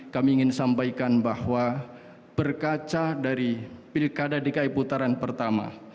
kami ingin sampaikan bahwa berkaca dari pilkada dki putaran pertama